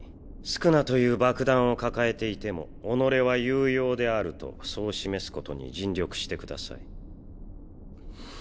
宿儺という爆弾を抱えていても己は有用であるとそう示すことに尽力してください